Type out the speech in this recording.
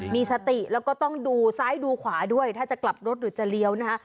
มีสติแล้วก็ต้องดูซ้ายดูขวาด้วยถ้าจะกลับรถหรือจะเลี้ยวนะฮะ